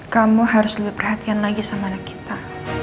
kamu harus lebih perhatian lagi sama anak kita